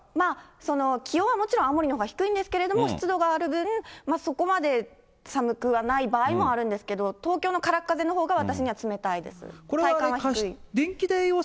気温はもちろん青森のほうが低いんですけれども、湿度がある分、そこまで寒くはない場合もあるんですけど、東京の空っ風のほうが私には冷たいです。